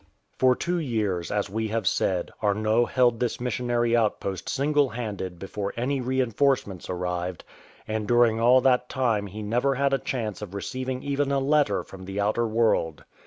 For two years, as we have said, Arnot held this missionary outpost single handed before any reinforce ments arrived, and during all that time he never had a chance of receiving even a letter from the outer world.